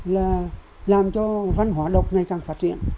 là làm cho văn hóa đọc ngày càng phát triển